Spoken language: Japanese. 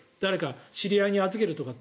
知り合いに預けるとかって